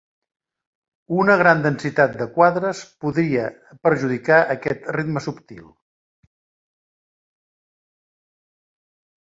Una gran densitat de quadres podia perjudicar aquest ritme subtil.